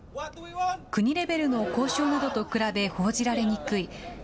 国レベルの交渉などと比べ報じられにくい